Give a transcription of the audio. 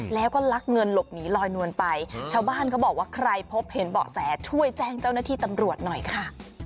แล้วก็ลักเงินหลบหนีลอยนวลไปชาวบ้านเขาบอกว่าใครพบเห็นเบาะแสช่วยแจ้งเจ้าหน้าที่ตำรวจหน่อยค่ะ